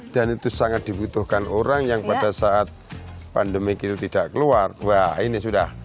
dan itu sangat dibutuhkan orang yang pada saat pandemi itu tidak keluar wah ini sudah